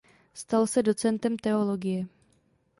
Stal se docentem teologie.